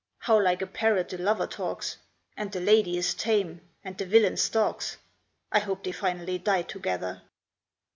How like a parrot the lover talks And the lady is tame, and the villain stalks I hope they finally die together."